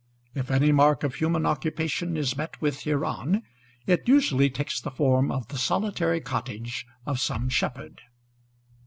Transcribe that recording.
If any mark of human occupation is met with hereon it usually takes the form of the solitary cottage of some shepherd.